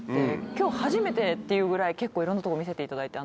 今日初めてっていうぐらい結構いろんなとこ見せていただいて。